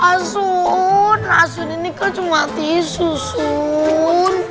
asun asun ini kan cuma tisu sun